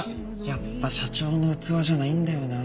やっぱ社長の器じゃないんだよな。